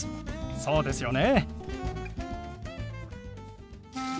そうですよね。